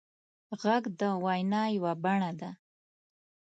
غږ د وینا یوه بڼه ده